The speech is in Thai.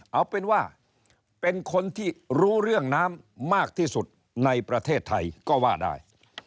เอาเป็นว่าเป็นคนที่รู้เรื่องน้ำมากที่สุดในประเทศไทยก็ว่าได้